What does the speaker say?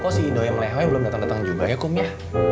kok si doyam lewe belum datang datang juga ya kum ya